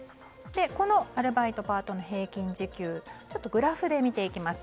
このアルバイト・パートの平均時給グラフで見ていきます。